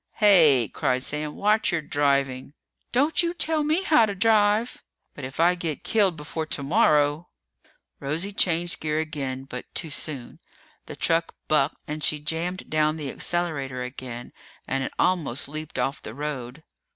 "Hey!" cried Sam. "Watch your driving!" "Don't you tell me how to drive!" "But if I get killed before tomorrow "Rosie changed gear again, but too soon. The truck bucked, and she jammed down the accelerator again, and it almost leaped off the road.